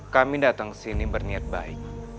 kami datang ke sini berniat baik